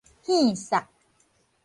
挕捒